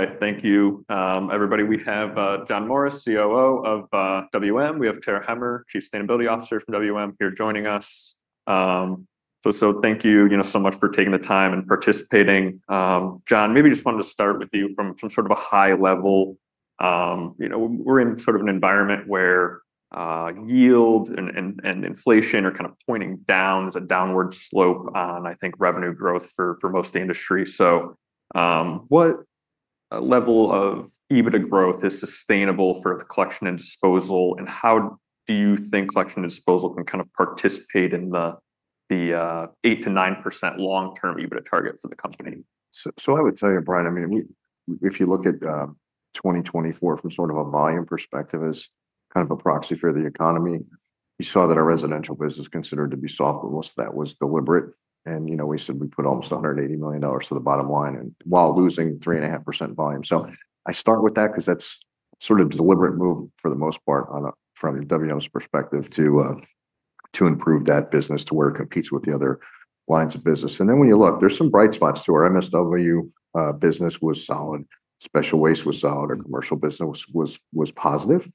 Alright, thank you. Everybody, we have John Morris, COO of WM. We have Tara Hemmer, Chief Sustainability Officer from WM, here joining us. So thank you, you know, so much for taking the time and participating. John, maybe just wanted to start with you from sort of a high level. You know, we're in sort of an environment where yield and inflation are kind of pointing down. There's a downward slope on, I think, revenue growth for most of the industry. So what level of EBITDA growth is sustainable for the collection and disposal? And how do you think collection and disposal can kind of participate in the 8% to 9% long-term EBITDA target for the company? So I would tell you, Brian, I mean, if you look at 2024 from sort of a volume perspective as kind of a proxy for the economy, you saw that our residential business was considered to be soft. Most of that was deliberate. And, you know, we said we put almost $180 million to the bottom line while losing 3.5% volume. So I start with that because that's sort of a deliberate move for the most part from WM's perspective to improve that business to where it competes with the other lines of business. And then when you look, there's some bright spots too. Our MSW business was solid, special waste was solid, our commercial business was positive.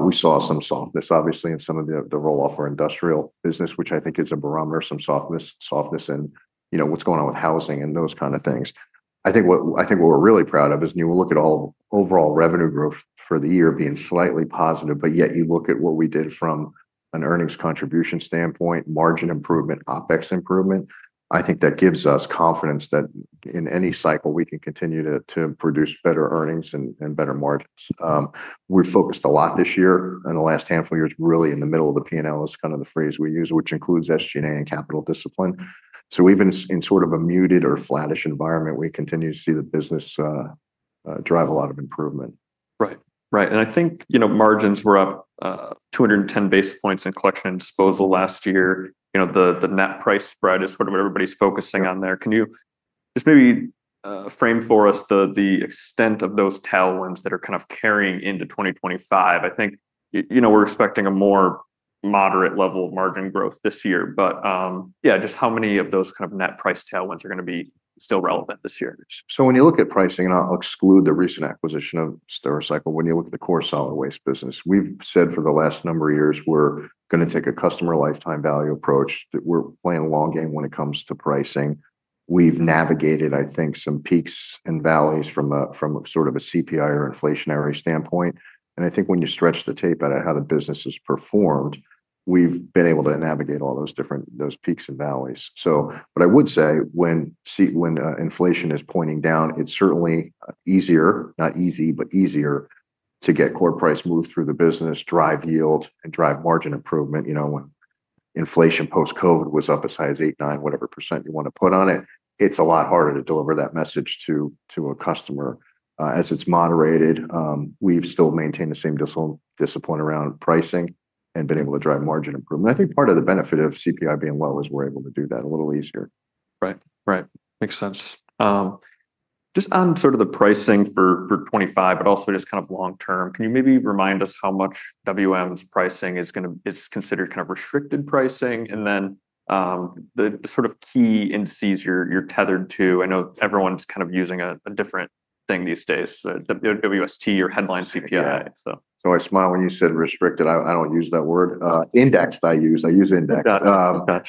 We saw some softness, obviously, in some of the roll-off for industrial business, which I think is a barometer, some softness in, you know, what's going on with housing and those kind of things. I think what we're really proud of is, you know, we look at all overall revenue growth for the year being slightly positive, but yet you look at what we did from an earnings contribution standpoint, margin improvement, OpEx improvement. I think that gives us confidence that in any cycle we can continue to produce better earnings and better margins. We're focused a lot this year and the last handful of years really in the middle of the P&L is kind of the phrase we use, which includes SG&A and capital discipline. So even in sort of a muted or flattish environment, we continue to see the business drive a lot of improvement. Right. Right. And I think, you know, margins were up 210 basis points in collection and disposal last year. You know, the net price spread is sort of what everybody's focusing on there. Can you just maybe frame for us the extent of those tailwinds that are kind of carrying into 2025? I think, you know, we're expecting a more moderate level of margin growth this year, but yeah, just how many of those kind of net price tailwinds are going to be still relevant this year? So when you look at pricing, and I'll exclude the recent acquisition of Stericycle, when you look at the core solid waste business, we've said for the last number of years we're going to take a customer lifetime value approach. We're playing long game when it comes to pricing. We've navigated, I think, some peaks and valleys from sort of a CPI or inflationary standpoint. And I think when you stretch the tape at how the business has performed, we've been able to navigate all those different peaks and valleys. So, but I would say when inflation is pointing down, it's certainly easier, not easy, but easier to get core price moved through the business, drive yield, and drive margin improvement. You know, when inflation post-COVID was up as high as 8%, 9%, whatever % you want to put on it, it's a lot harder to deliver that message to a customer as it's moderated. We've still maintained the same discipline around pricing and been able to drive margin improvement. I think part of the benefit of CPI being low is we're able to do that a little easier. Right. Right. Makes sense. Just on sort of the pricing for 2025, but also just kind of long-term, can you maybe remind us how much WM's pricing is considered kind of restricted pricing and then the sort of key indices you're tethered to? I know everyone's kind of using a different thing these days, WST or headline CPI. I smile when you said restricted. I don't use that word. Indexed I use. I use index.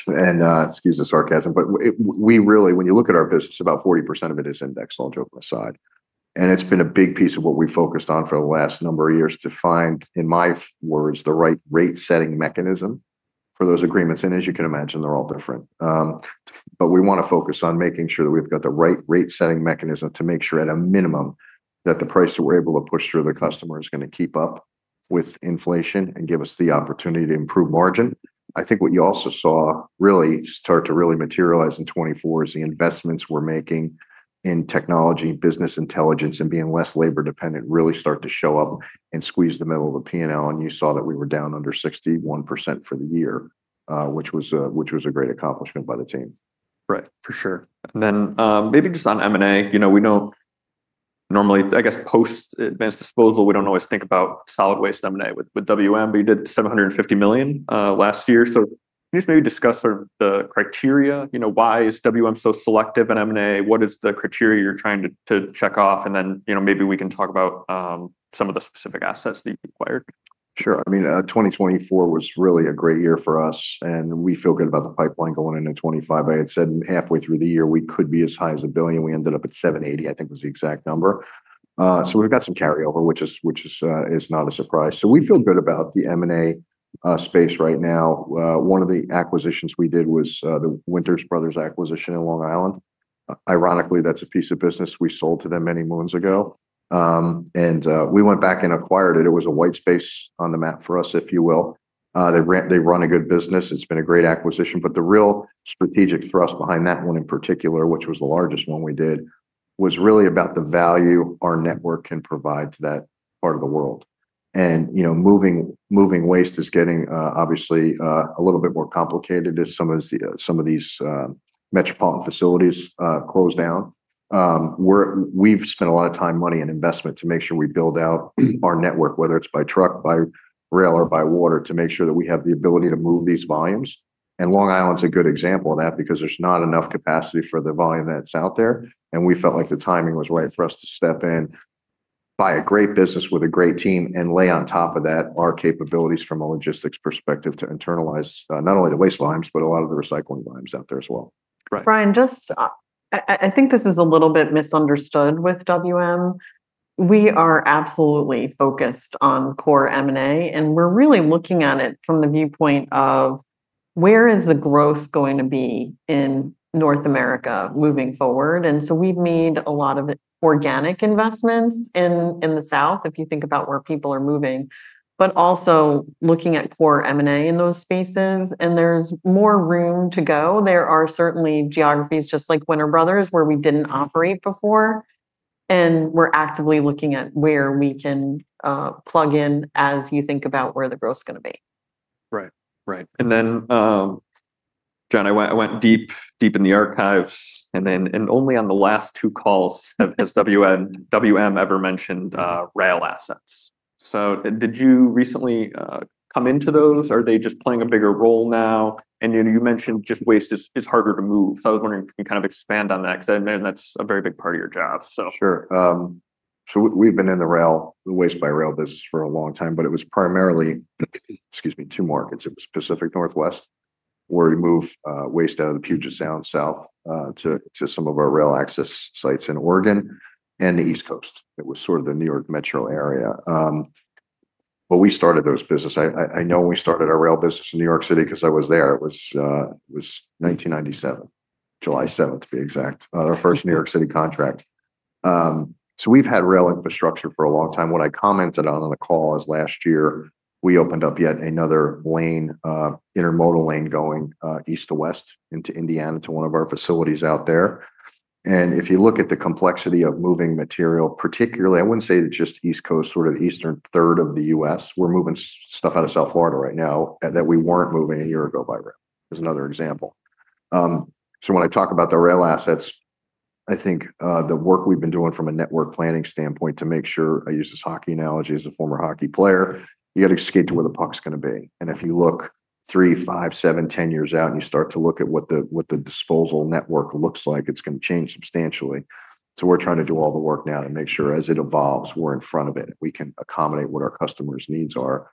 And excuse the sarcasm, but we really, when you look at our business, about 40% of it is indexed, all jokes aside. And it's been a big piece of what we've focused on for the last number of years to find, in my words, the right rate-setting mechanism for those agreements. And as you can imagine, they're all different. But we want to focus on making sure that we've got the right rate-setting mechanism to make sure at a minimum that the price that we're able to push through the customer is going to keep up with inflation and give us the opportunity to improve margin. I think what you also saw really start to really materialize in 2024 is the investments we're making in technology, business intelligence, and being less labor dependent really start to show up and squeeze the middle of the P&L, and you saw that we were down under 61% for the year, which was a great accomplishment by the team. Right. For sure. And then maybe just on M&A, you know, we don't normally, I guess, post-Advanced Disposal, we don't always think about solid waste M&A with WM, but you did $750 million last year. So can you just maybe discuss sort of the criteria? You know, why is WM so selective in M&A? What is the criteria you're trying to check off? And then, you know, maybe we can talk about some of the specific assets that you've acquired. Sure. I mean, 2024 was really a great year for us, and we feel good about the pipeline going into 2025. I had said halfway through the year we could be as high as $1 billion. We ended up at $780 million, I think was the exact number. So we've got some carryover, which is not a surprise. So we feel good about the M&A space right now. One of the acquisitions we did was the Winters Brothers acquisition in Long Island. Ironically, that's a piece of business we sold to them many moons ago, and we went back and acquired it. It was a white space on the map for us, if you will. They run a good business. It's been a great acquisition. But the real strategic thrust behind that one in particular, which was the largest one we did, was really about the value our network can provide to that part of the world. And, you know, moving waste is getting obviously a little bit more complicated as some of these metropolitan facilities close down. We've spent a lot of time, money, and investment to make sure we build out our network, whether it's by truck, by rail, or by water, to make sure that we have the ability to move these volumes. And Long Island's a good example of that because there's not enough capacity for the volume that's out there. And we felt like the timing was right for us to step in, buy a great business with a great team, and lay on top of that our capabilities from a logistics perspective to internalize not only the waste lines, but a lot of the recycling lines out there as well. Brian, just I think this is a little bit misunderstood with WM. We are absolutely focused on core M&A, and we're really looking at it from the viewpoint of where is the growth going to be in North America moving forward. And so we've made a lot of organic investments in the South, if you think about where people are moving, but also looking at core M&A in those spaces. And there's more room to go. There are certainly geographies just like Winters Brothers where we didn't operate before. And we're actively looking at where we can plug in as you think about where the growth is going to be. Right. Right. And then, John, I went deep, deep in the archives, and then only on the last two calls has WM ever mentioned rail assets. So did you recently come into those? Are they just playing a bigger role now? And you mentioned just waste is harder to move. So I was wondering if you can kind of expand on that because I imagine that's a very big part of your job. Sure. So we've been in the rail, the waste-by-rail business for a long time, but it was primarily, excuse me, two markets. It was Pacific Northwest, where we moved waste out of the Puget Sound south to some of our rail access sites in Oregon and the East Coast. It was sort of the New York metro area. But we started those businesses. I know we started our rail business in New York City because I was there. It was 1997, July 7th, to be exact, our first New York City contract. So we've had rail infrastructure for a long time. What I commented on in the call is last year we opened up yet another lane, intermodal lane going east to west into Indiana to one of our facilities out there. And if you look at the complexity of moving material, particularly, I wouldn't say just East Coast, sort of the eastern third of the U.S., we're moving stuff out of South Florida right now that we weren't moving a year ago by rail. That's another example. So when I talk about the rail assets, I think the work we've been doing from a network planning standpoint to make sure, I use this hockey analogy as a former hockey player, you got to escape to where the puck's going to be. And if you look three, five, seven, 10 years out and you start to look at what the disposal network looks like, it's going to change substantially. So we're trying to do all the work now to make sure as it evolves, we're in front of it. We can accommodate what our customers' needs are,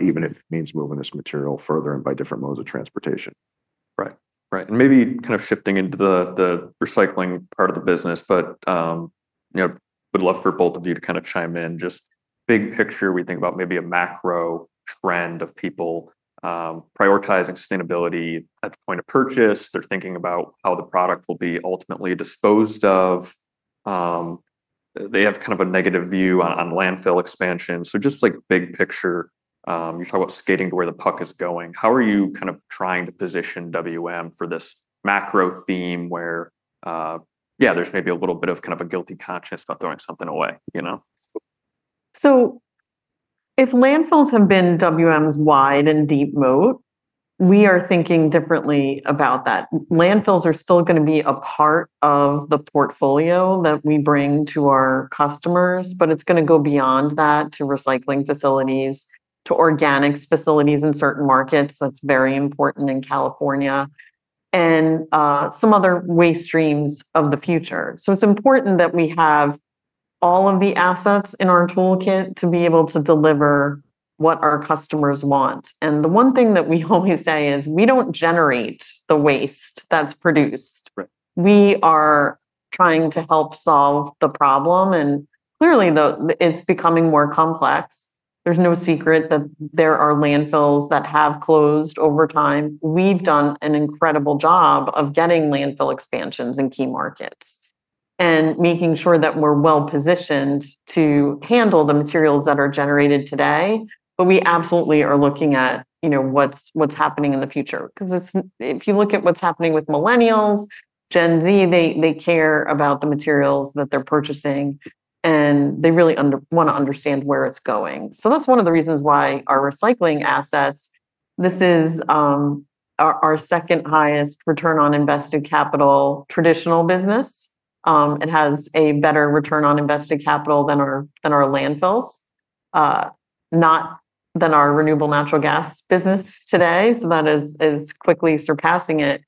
even if it means moving this material further and by different modes of transportation. Right. Right. And maybe kind of shifting into the recycling part of the business, but, you know, would love for both of you to kind of chime in. Just big picture, we think about maybe a macro trend of people prioritizing sustainability at the point of purchase. They're thinking about how the product will be ultimately disposed of. They have kind of a negative view on landfill expansion. So just like big picture, you talk about skating to where the puck is going. How are you kind of trying to position WM for this macro theme where, yeah, there's maybe a little bit of kind of a guilty conscience about throwing something away, you know? So if landfills have been WM's wide and deep moat, we are thinking differently about that. Landfills are still going to be a part of the portfolio that we bring to our customers, but it's going to go beyond that to recycling facilities, to organics facilities in certain markets. That's very important in California, and some other waste streams of the future. So it's important that we have all of the assets in our toolkit to be able to deliver what our customers want. And the one thing that we always say is we don't generate the waste that's produced. We are trying to help solve the problem. And clearly, it's becoming more complex. There's no secret that there are landfills that have closed over time. We've done an incredible job of getting landfill expansions in key markets and making sure that we're well positioned to handle the materials that are generated today. But we absolutely are looking at, you know, what's happening in the future. Because if you look at what's happening with millennials, Gen Z, they care about the materials that they're purchasing, and they really want to understand where it's going. So that's one of the reasons why our recycling assets, this is our second highest return on invested capital traditional business. It has a better return on invested capital than our landfills, not than our renewable natural gas business today. So that is quickly surpassing it.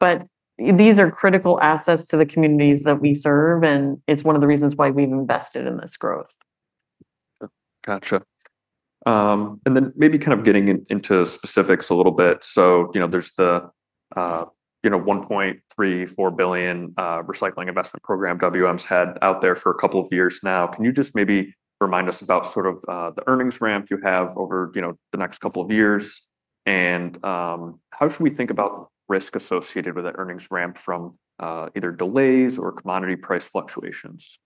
But these are critical assets to the communities that we serve, and it's one of the reasons why we've invested in this growth. Gotcha. And then maybe kind of getting into specifics a little bit. So, you know, there's the, you know, $1.34 billion recycling investment program WM's had out there for a couple of years now. Can you just maybe remind us about sort of the earnings ramp you have over, you know, the next couple of years? And how should we think about risk associated with that earnings ramp from either delays or commodity price fluctuations?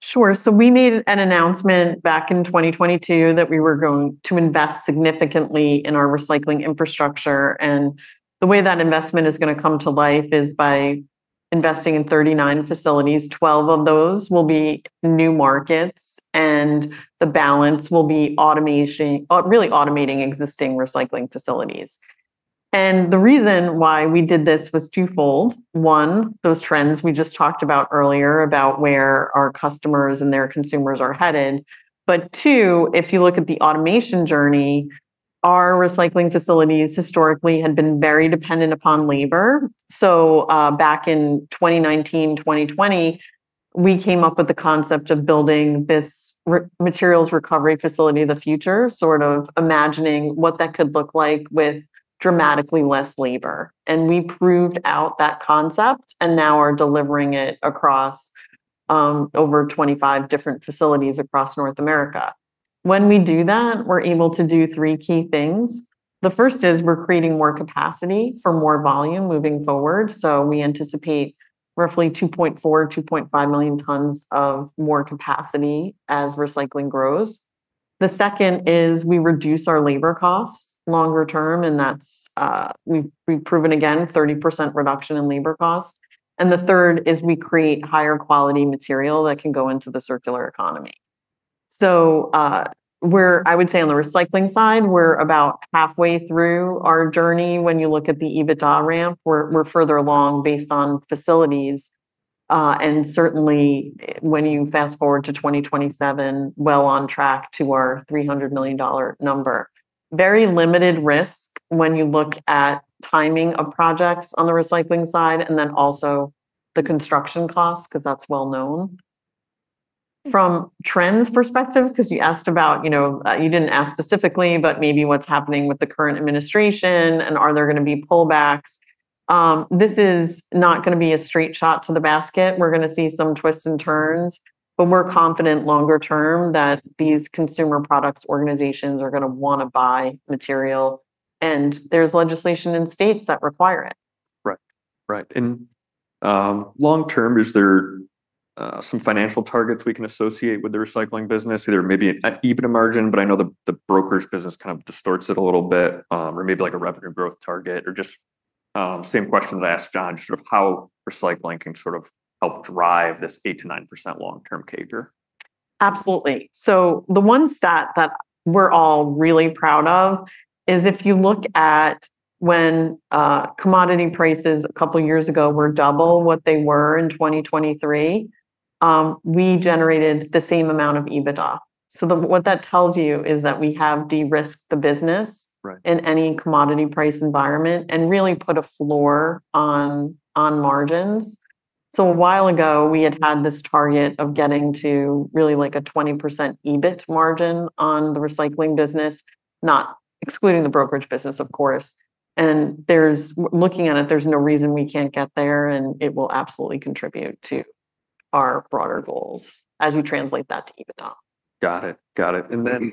Sure. So we made an announcement back in 2022 that we were going to invest significantly in our recycling infrastructure, and the way that investment is going to come to life is by investing in 39 facilities. 12 of those will be new markets, and the balance will be really automating existing recycling facilities, and the reason why we did this was twofold. One, those trends we just talked about earlier about where our customers and their consumers are headed, but two, if you look at the automation journey, our recycling facilities historically had been very dependent upon labor, so back in 2019, 2020, we came up with the concept of building this materials recovery facility of the future, sort of imagining what that could look like with dramatically less labor, and we proved out that concept and now are delivering it across over 25 different facilities across North America. When we do that, we're able to do three key things. The first is we're creating more capacity for more volume moving forward. So we anticipate roughly 2.4-2.5 million tons of more capacity as recycling grows. The second is we reduce our labor costs longer term, and that's we've proven again, 30% reduction in labor costs. And the third is we create higher quality material that can go into the circular economy. So we're, I would say on the recycling side, we're about halfway through our journey. When you look at the EBITDA ramp, we're further along based on facilities. And certainly, when you fast forward to 2027, well on track to our $300 million number. Very limited risk when you look at timing of projects on the recycling side and then also the construction costs because that's well known. From Trend's perspective, because you asked about, you know, you didn't ask specifically, but maybe what's happening with the current administration and are there going to be pullbacks. This is not going to be a straight shot to the basket. We're going to see some twists and turns, but we're confident longer term that these consumer products organizations are going to want to buy material, and there's legislation in states that require it. Right. Right. And long-term, is there some financial targets we can associate with the recycling business? There may be an EBITDA margin, but I know the brokerage business kind of distorts it a little bit, or maybe like a revenue growth target, or just same question that I asked John, just sort of how recycling can sort of help drive this 8%-9% long-term CAGR. Absolutely. So the one stat that we're all really proud of is if you look at when commodity prices a couple of years ago were double what they were in 2023, we generated the same amount of EBITDA. So what that tells you is that we have de-risked the business in any commodity price environment and really put a floor on margins. So a while ago, we had had this target of getting to really like a 20% EBIT margin on the recycling business, not excluding the brokerage business, of course. And looking at it, there's no reason we can't get there, and it will absolutely contribute to our broader goals as we translate that to EBITDA. Got it. Got it. And then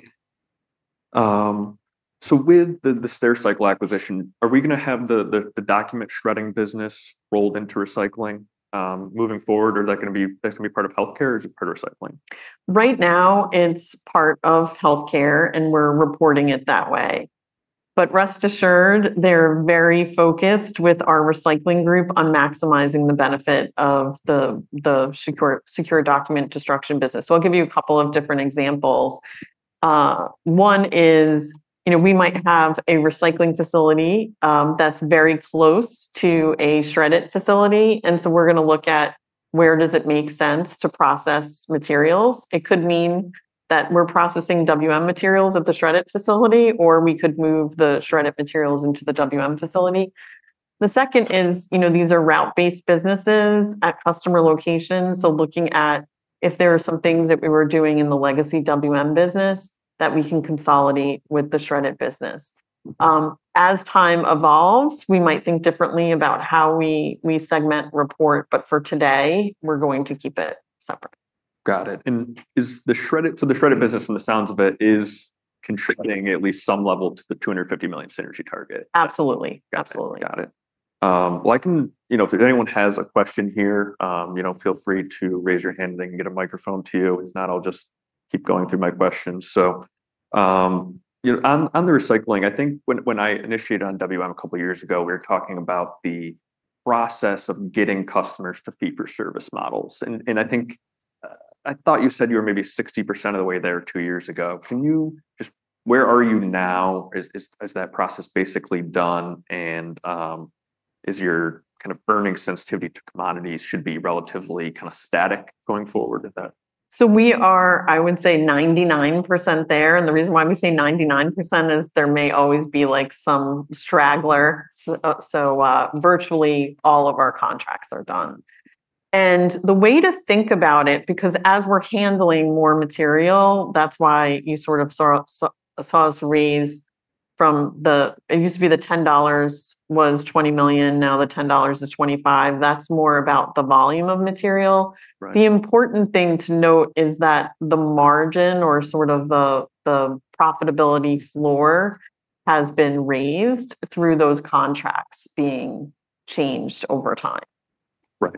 so with the Stericycle acquisition, are we going to have the document shredding business rolled into recycling moving forward? Or is that going to be part of healthcare or is it part of recycling? Right now, it's part of healthcare, and we're reporting it that way. But rest assured, they're very focused with our recycling group on maximizing the benefit of the secure document destruction business. So I'll give you a couple of different examples. One is, you know, we might have a recycling facility that's very close to a shredding facility. And so we're going to look at where does it make sense to process materials. It could mean that we're processing WM materials at the shredding facility, or we could move the shredded materials into the WM facility. The second is, you know, these are route-based businesses at customer locations. So looking at if there are some things that we were doing in the legacy WM business that we can consolidate with the shredding business. As time evolves, we might think differently about how we segment report, but for today, we're going to keep it separate. Got it. And is the shredded business, from the sounds of it, contributing at least some level to the $250 million synergy target? Absolutely. Absolutely. Got it. Well, I can, you know, if anyone has a question here, you know, feel free to raise your hand and I can get a microphone to you. If not, I'll just keep going through my questions. So, you know, on the recycling, I think when I initiated on WM a couple of years ago, we were talking about the process of getting customers to feed for service models. And I think I thought you said you were maybe 60% of the way there two years ago. Can you just, where are you now? Is that process basically done? And is your kind of burning sensitivity to commodities should be relatively kind of static going forward? So we are, I would say, 99% there. And the reason why we say 99% is there may always be like some straggler. So virtually all of our contracts are done. And the way to think about it, because as we're handling more material, that's why you sort of saw us raise from the, it used to be the $10 was $20 million, now the $10 is $25. That's more about the volume of material. The important thing to note is that the margin or sort of the profitability floor has been raised through those contracts being changed over time. Right.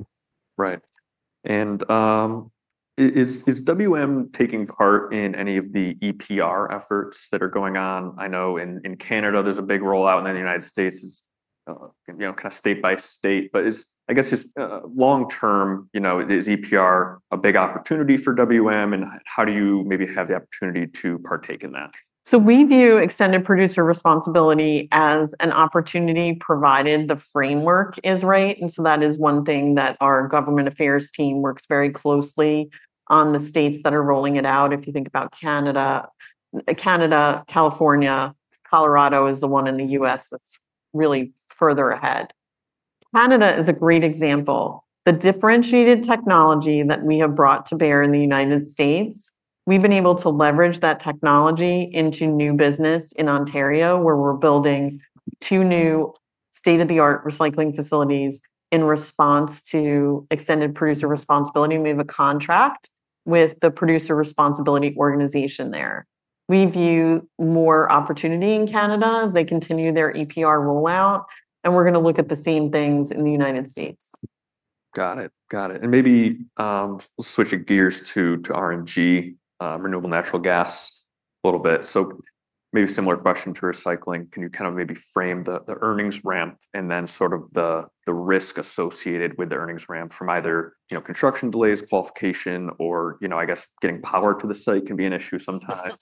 Right. And is WM taking part in any of the EPR efforts that are going on? I know in Canada, there's a big rollout, and then the United States is, you know, kind of state by state. But I guess just long term, you know, is EPR a big opportunity for WM? And how do you maybe have the opportunity to partake in that? So we view extended producer responsibility as an opportunity provided the framework is right. And so that is one thing that our government affairs team works very closely on the states that are rolling it out. If you think about Canada, California, Colorado is the one in the U.S. that's really further ahead. Canada is a great example. The differentiated technology that we have brought to bear in the United States, we've been able to leverage that technology into new business in Ontario, where we're building two new state-of-the-art recycling facilities in response to extended producer responsibility. We have a contract with the producer responsibility organization there. We view more opportunity in Canada as they continue their EPR rollout, and we're going to look at the same things in the United States. Got it. Got it. And maybe switching gears to RNG, renewable natural gas a little bit. So maybe similar question to recycling. Can you kind of maybe frame the earnings ramp and then sort of the risk associated with the earnings ramp from either, you know, construction delays, qualification, or, you know, I guess getting power to the site can be an issue sometimes.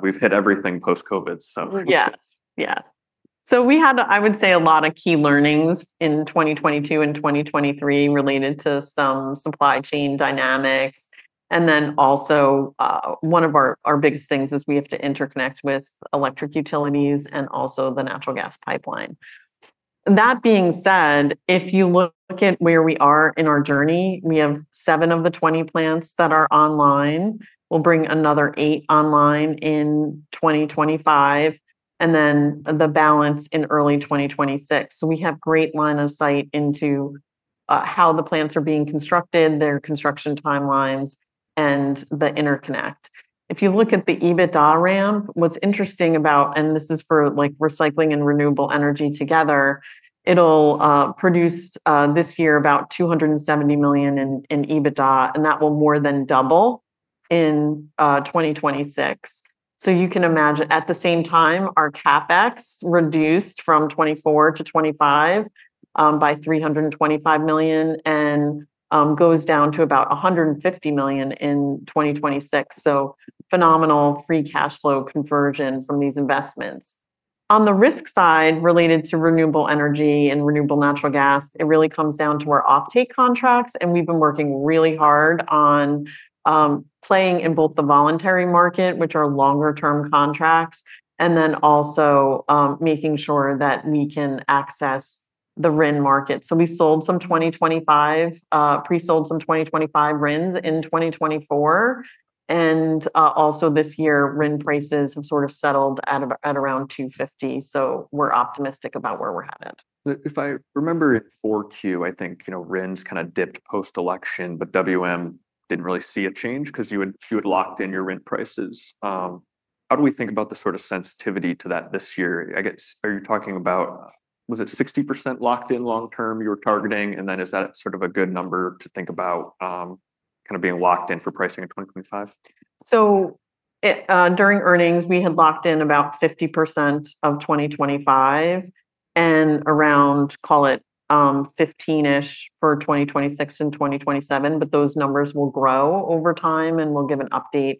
We've hit everything post-COVID, so. Yes. Yes. So we had, I would say, a lot of key learnings in 2022 and 2023 related to some supply chain dynamics. And then also one of our biggest things is we have to interconnect with electric utilities and also the natural gas pipeline. That being said, if you look at where we are in our journey, we have seven of the 20 plants that are online. We'll bring another eight online in 2025, and then the balance in early 2026. So we have a great line of sight into how the plants are being constructed, their construction timelines, and the interconnect. If you look at the EBITDA ramp, what's interesting about, and this is for like recycling and renewable energy together, it'll produce this year about $270 million in EBITDA, and that will more than double in 2026. You can imagine at the same time, our CapEx reduced from 2024 to 2025 by $325 million and goes down to about $150 million in 2026. Phenomenal free cash flow conversion from these investments. On the risk side related to renewable energy and renewable natural gas, it really comes down to our offtake contracts. We've been working really hard on playing in both the voluntary market, which are longer-term contracts, and then also making sure that we can access the RIN market. We sold some 2025, pre-sold some 2025 RINs in 2024. Also this year, RIN prices have sort of settled at around $2.50. We're optimistic about where we're headed. If I remember in 2004 too, I think, you know, RINs kind of dipped post-election, but WM didn't really see a change because you had locked in your RIN prices. How do we think about the sort of sensitivity to that this year? I guess, are you talking about, was it 60% locked in long-term you were targeting? And then is that sort of a good number to think about kind of being locked in for pricing in 2025? During earnings, we had locked in about 50% of 2025 and around, call it 15-ish for 2026 and 2027. Those numbers will grow over time, and we'll give an update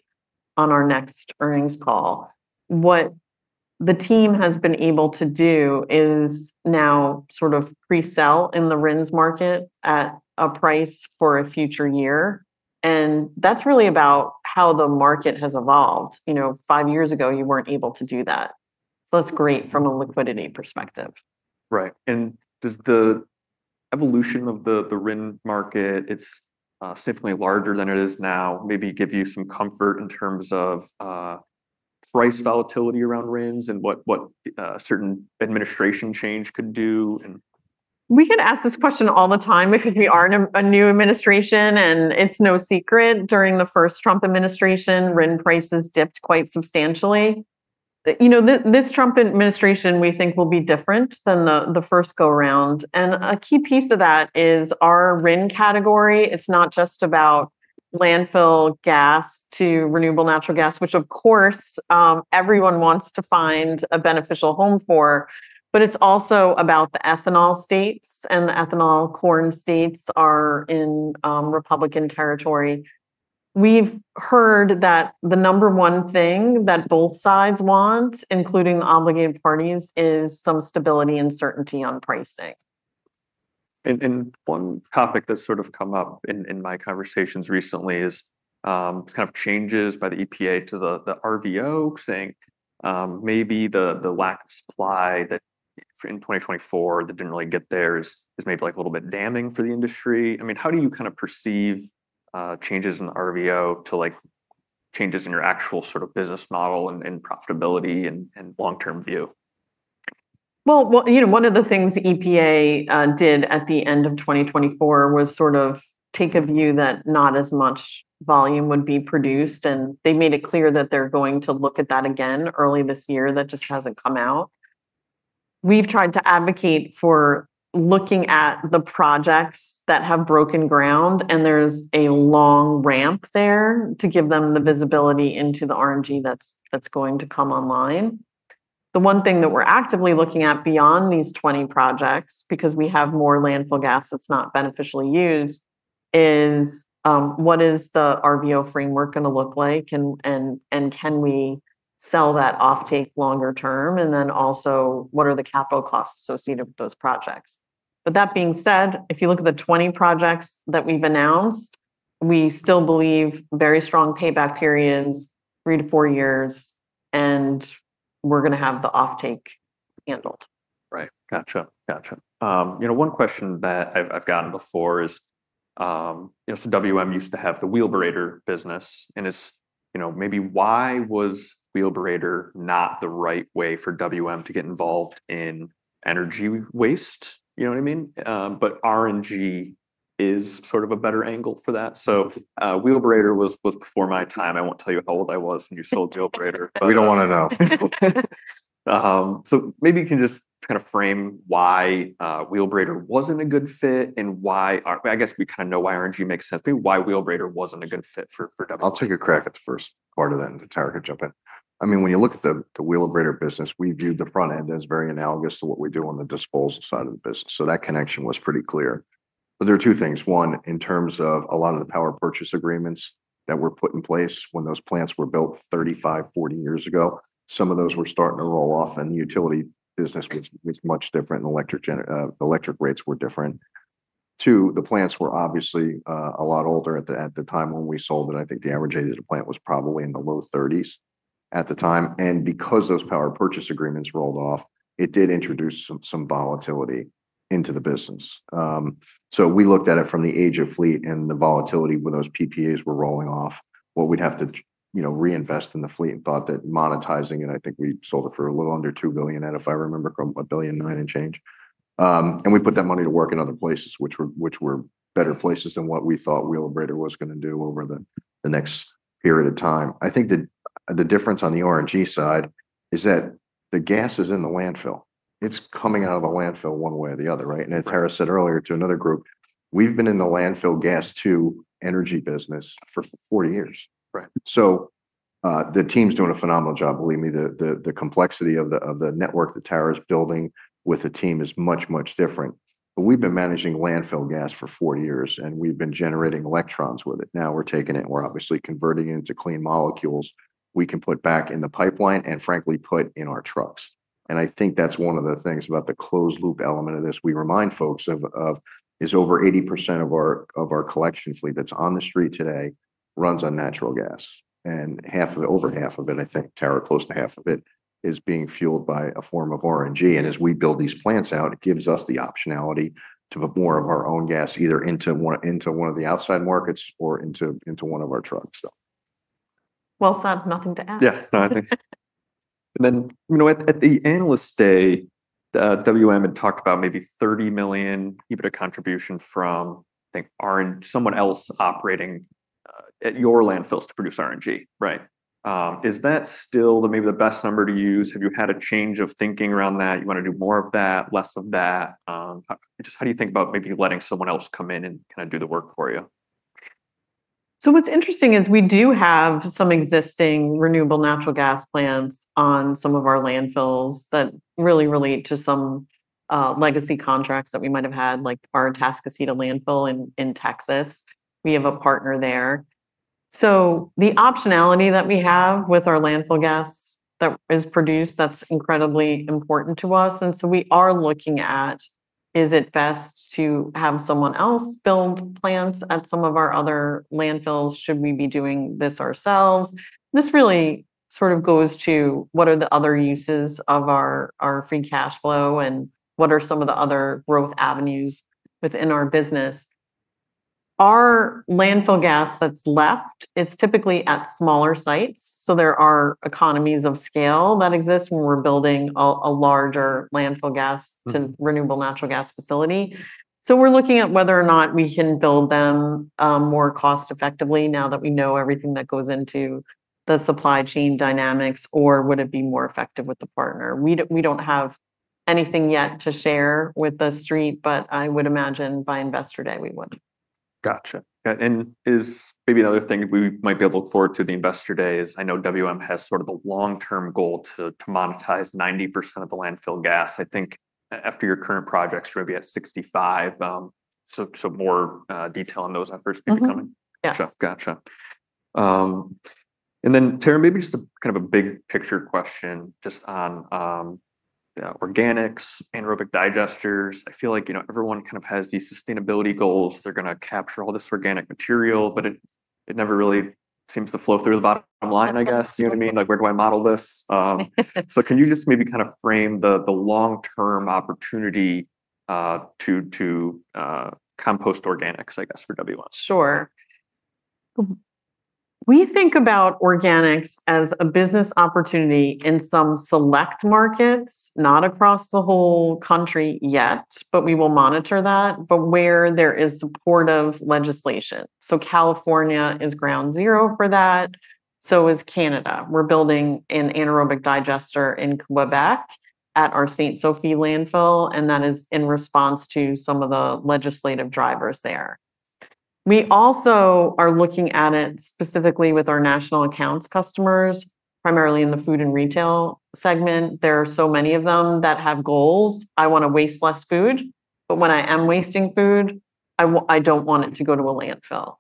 on our next earnings call. What the team has been able to do is now sort of pre-sell in the RINs market at a price for a future year. And that's really about how the market has evolved. You know, five years ago, you weren't able to do that. That's great from a liquidity perspective. Right. And does the evolution of the RIN market, it's significantly larger than it is now, maybe give you some comfort in terms of price volatility around RINs and what certain administration change could do? We get asked this question all the time because we are in a new administration, and it's no secret. During the first Trump administration, RIN prices dipped quite substantially. You know, this Trump administration, we think will be different than the first go-around. And a key piece of that is our RIN category. It's not just about landfill gas to renewable natural gas, which of course, everyone wants to find a beneficial home for, but it's also about the ethanol states and the ethanol corn states are in Republican territory. We've heard that the number one thing that both sides want, including the obligated parties, is some stability and certainty on pricing. One topic that's sort of come up in my conversations recently is kind of changes by the EPA to the RVO, saying maybe the lack of supply that in 2024 that didn't really get there is maybe like a little bit damning for the industry. I mean, how do you kind of perceive changes in the RVO to like changes in your actual sort of business model and profitability and long-term view? Well, you know, one of the things the EPA did at the end of 2024 was sort of take a view that not as much volume would be produced. And they made it clear that they're going to look at that again early this year. That just hasn't come out. We've tried to advocate for looking at the projects that have broken ground, and there's a long ramp there to give them the visibility into the RNG that's going to come online. The one thing that we're actively looking at beyond these 20 projects, because we have more landfill gas that's not beneficially used, is what is the RVO framework going to look like, and can we sell that offtake longer term? And then also, what are the capital costs associated with those projects? But that being said, if you look at the 20 projects that we've announced, we still believe very strong payback periods, three to four years, and we're going to have the offtake handled. Right. Gotcha. Gotcha. You know, one question that I've gotten before is, you know, so WM used to have the Wheelabrator business. And it's, you know, maybe why was Wheelabrator not the right way for WM to get involved in energy waste? You know what I mean? But RNG is sort of a better angle for that. So Wheelabrator was before my time. I won't tell you how old I was when you sold Wheelabrator. We don't want to know. So maybe you can just kind of frame why Wheelabrator wasn't a good fit and why, I guess we kind of know why RNG makes sense, maybe why Wheelabrator wasn't a good fit for WM. I'll take a crack at the first part of that and Tara can jump in. I mean, when you look at the Wheelabrator business, we viewed the front end as very analogous to what we do on the disposal side of the business. So that connection was pretty clear. But there are two things. One, in terms of a lot of the power purchase agreements that were put in place when those plants were built 35, 40 years ago, some of those were starting to roll off, and the utility business was much different and electric rates were different. Two, the plants were obviously a lot older at the time when we sold it. I think the average age of the plant was probably in the low 30s at the time. And because those power purchase agreements rolled off, it did introduce some volatility into the business. So we looked at it from the age of fleet and the volatility when those PPAs were rolling off, what we'd have to, you know, reinvest in the fleet and thought that monetizing it. I think we sold it for a little under $2 billion at, if I remember correctly, $1.9 billion and change. And we put that money to work in other places, which were better places than what we thought Wheelabrator was going to do over the next period of time. I think the difference on the RNG side is that the gas is in the landfill. It's coming out of the landfill one way or the other, right? And as Tara said earlier to another group, we've been in the landfill gas to energy business for 40 years. So the team's doing a phenomenal job. Believe me, the complexity of the network that Tara is building with the team is much, much different, but we've been managing landfill gas for 40 years, and we've been generating electrons with it. Now we're taking it and we're obviously converting it into clean molecules we can put back in the pipeline and frankly put in our trucks, and I think that's one of the things about the closed loop element of this. We remind folks of, is over 80% of our collection fleet that's on the street today runs on natural gas, and half of it, over half of it, I think Tara, close to half of it is being fueled by a form of RNG, and as we build these plants out, it gives us the optionality to put more of our own gas either into one of the outside markets or into one of our trucks. Well said. Nothing to add. Yeah. I think and then, you know, at the Analyst day, WM had talked about maybe $30 million EBITDA contribution from, I think, someone else operating at your landfills to produce RNG, right? Is that still maybe the best number to use? Have you had a change of thinking around that? You want to do more of that, less of that? Just how do you think about maybe letting someone else come in and kind of do the work for you? What's interesting is we do have some existing renewable natural gas plants on some of our landfills that really relate to some legacy contracts that we might have had, like our Atascocita landfill in Texas. We have a partner there. The optionality that we have with our landfill gas that is produced, that's incredibly important to us. We are looking at, is it best to have someone else build plants at some of our other landfills? Should we be doing this ourselves? This really sort of goes to what are the other uses of our free cash flow and what are some of the other growth avenues within our business? Our landfill gas that's left, it's typically at smaller sites. There are economies of scale that exist when we're building a larger landfill gas to renewable natural gas facility. So we're looking at whether or not we can build them more cost-effectively now that we know everything that goes into the supply chain dynamics, or would it be more effective with the partner? We don't have anything yet to share with the street, but I would imagine by Investor Day, we would. Gotcha. And maybe another thing we might be able to look forward to the Investor Day is I know WM has sort of the long-term goal to monetize 90% of the landfill gas. I think after your current projects, you're going to be at 65%. So more detail on those efforts may be coming. Yeah. Gotcha. Gotcha. And then, Tara, maybe just a kind of a big picture question just on organics, anaerobic digesters. I feel like, you know, everyone kind of has these sustainability goals. They're going to capture all this organic material, but it never really seems to flow through the bottom line, I guess. You know what I mean? Like, where do I model this? So can you just maybe kind of frame the long-term opportunity to compost organics, I guess, for WM? Sure. We think about organics as a business opportunity in some select markets, not across the whole country yet, but we will monitor that, but where there is supportive legislation. So California is ground zero for that. So is Canada. We're building an anaerobic digester in Quebec at our Ste-Sophie landfill, and that is in response to some of the legislative drivers there. We also are looking at it specifically with our national accounts customers, primarily in the food and retail segment. There are so many of them that have goals. I want to waste less food, but when I am wasting food, I don't want it to go to a landfill.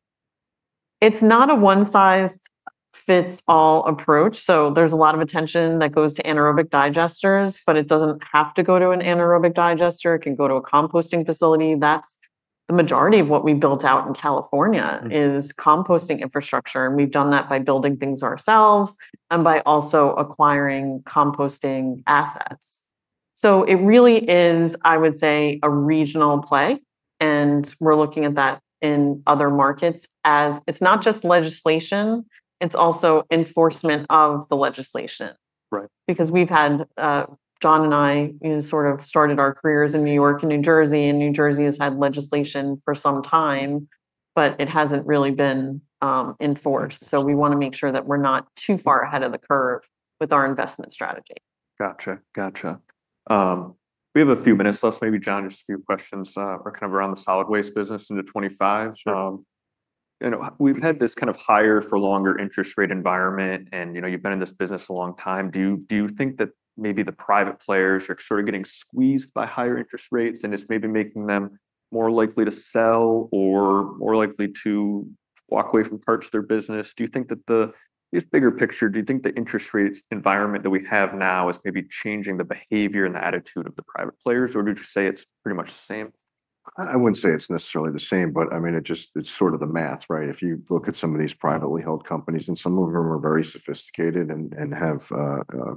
It's not a one-size-fits-all approach. So there's a lot of attention that goes to anaerobic digesters, but it doesn't have to go to an anaerobic digester. It can go to a composting facility. That's the majority of what we built out in California is composting infrastructure. And we've done that by building things ourselves and by also acquiring composting assets. So it really is, I would say, a regional play. And we're looking at that in other markets as it's not just legislation, it's also enforcement of the legislation. Because we've had John and I, you know, sort of started our careers in New York and New Jersey, and New Jersey has had legislation for some time, but it hasn't really been enforced. So we want to make sure that we're not too far ahead of the curve with our investment strategy. Gotcha. Gotcha. We have a few minutes left. Maybe, John, just a few questions are kind of around the solid waste business into 2025. And we've had this kind of higher-for-longer interest rate environment, and you know, you've been in this business a long time. Do you think that maybe the private players are sort of getting squeezed by higher interest rates and it's maybe making them more likely to sell or more likely to walk away from parts of their business? Do you think that the bigger picture, do you think the interest rate environment that we have now is maybe changing the behavior and the attitude of the private players, or would you say it's pretty much the same? I wouldn't say it's necessarily the same, but I mean, it just, it's sort of the math, right? If you look at some of these privately held companies, and some of them are very sophisticated and have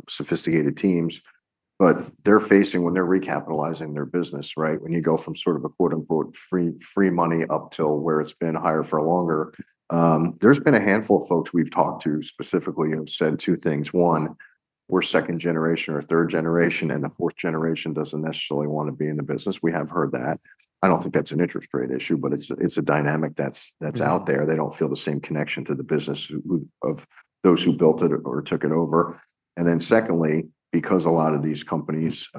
sophisticated teams, but they're facing when they're recapitalizing their business, right? When you go from sort of a quote unquote free money up till where it's been higher for longer, there's been a handful of folks we've talked to specifically who have said two things. One, we're second generation or third generation, and the fourth generation doesn't necessarily want to be in the business. We have heard that. I don't think that's an interest rate issue, but it's a dynamic that's out there. They don't feel the same connection to the business of those who built it or took it over. And then secondly, because a lot of these companies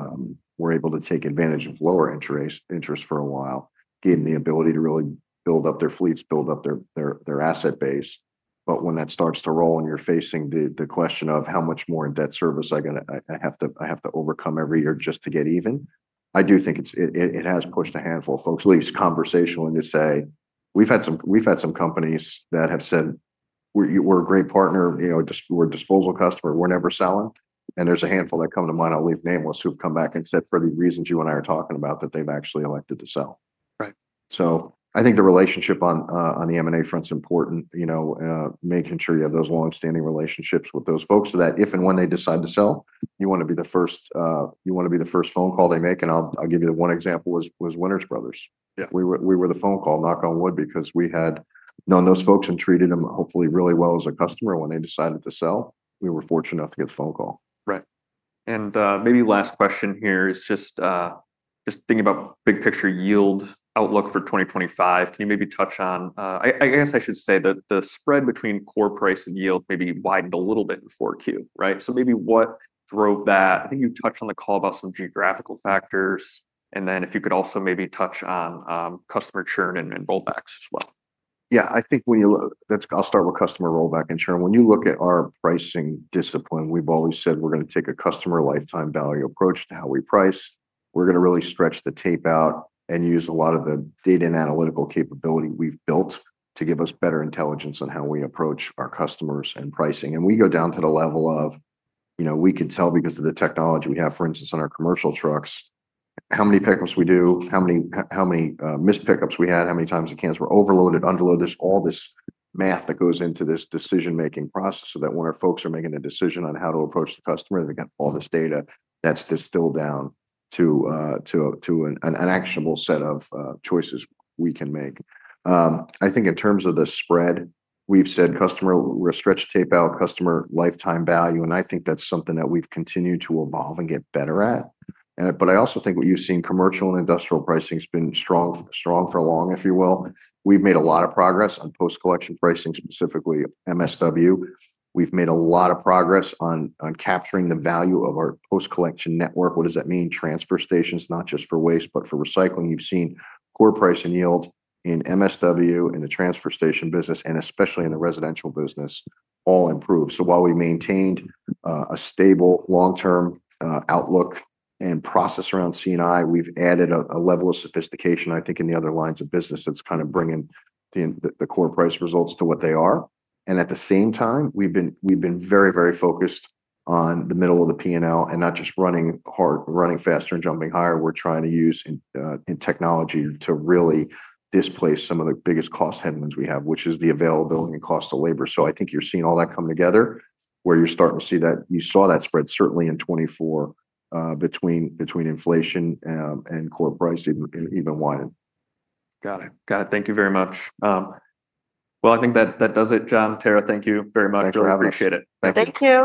were able to take advantage of lower interest for a while, gave them the ability to really build up their fleets, build up their asset base. But when that starts to roll, and you're facing the question of how much more in debt service I have to overcome every year just to get even, I do think it has pushed a handful of folks, at least conversationally, to say, we've had some companies that have said, "We're a great partner, you know, we're a disposal customer, we're never selling." And there's a handful that come to mind, I'll leave nameless, who've come back and said for the reasons you and I are talking about that they've actually elected to sell. So I think the relationship on the M&A front's important, you know, making sure you have those long-standing relationships with those folks so that if and when they decide to sell, you want to be the first, you want to be the first phone call they make. And I'll give you the one example was Winters Brothers. We were the phone call, knock on wood, because we had known those folks and treated them hopefully really well as a customer when they decided to sell. We were fortunate enough to get the phone call. Right. And maybe last question here is just thinking about big picture yield outlook for 2025. Can you maybe touch on, I guess I should say that the spread between core price and yield maybe widened a little bit in 4Q, right? So maybe what drove that? I think you touched on the call about some geographical factors. And then if you could also maybe touch on customer churn and rollbacks as well. Yeah, I think when you look, I'll start with customer rollback and churn. When you look at our pricing discipline, we've always said we're going to take a customer lifetime value approach to how we price. We're going to really stretch the tape out and use a lot of the data and analytical capability we've built to give us better intelligence on how we approach our customers and pricing. And we go down to the level of, you know, we can tell because of the technology we have, for instance, on our commercial trucks, how many pickups we do, how many missed pickups we had, how many times the cans were overloaded, underloaded. There's all this math that goes into this decision-making process so that when our folks are making a decision on how to approach the customer, they've got all this data that's distilled down to an actionable set of choices we can make. I think in terms of the spread, we've said customer, we're stretched tape out, customer lifetime value, and I think that's something that we've continued to evolve and get better at. But I also think what you've seen, commercial and industrial pricing has been strong for long, if you will. We've made a lot of progress on post-collection pricing, specifically MSW. We've made a lot of progress on capturing the value of our post-collection network. What does that mean? Transfer stations, not just for waste, but for recycling. You've seen core price and yield in MSW, in the transfer station business, and especially in the residential business, all improved, so while we maintained a stable long-term outlook and process around C&I, we've added a level of sophistication, I think, in the other lines of business that's kind of bringing the core price results to what they are. At the same time, we've been very, very focused on the middle of the P&L and not just running faster and jumping higher. We're trying to use technology to really displace some of the biggest cost headwinds we have, which is the availability and cost of labor. I think you're seeing all that come together where you're starting to see that you saw that spread certainly in 2024 between inflation and core price even widen. Got it. Got it. Thank you very much. Well, I think that does it, John. Tara, thank you very much. I appreciate it. Thank you.